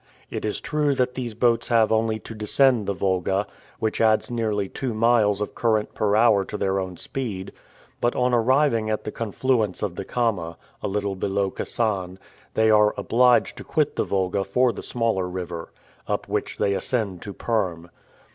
It is true that these boats have only to descend the Volga, which adds nearly two miles of current per hour to their own speed; but on arriving at the confluence of the Kama, a little below Kasan, they are obliged to quit the Volga for the smaller river, up which they ascend to Perm.